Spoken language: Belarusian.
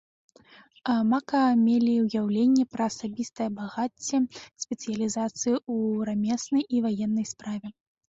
Мака мелі ўяўленне пра асабістае багацце, спецыялізацыю ў рамеснай і ваеннай справе.